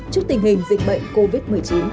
trước tình hình dịch bệnh covid một mươi chín